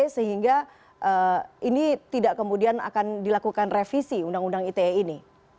sehingga ini tidak kemudian akan dilakukan revisi undang undang ite ini